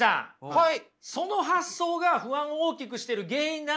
はい。